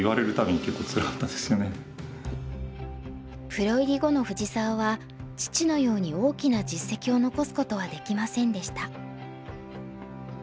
プロ入り後の藤澤は父のように大きな実績を残すことはできませんでした。